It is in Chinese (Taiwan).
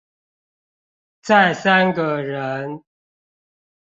再三個人